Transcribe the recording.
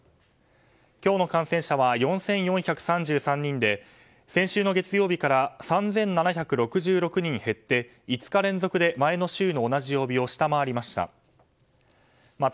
今日の感染者は４４３３人で先週の月曜日から３７６６人減って５日連続で前の週の同じ曜日を下回りました。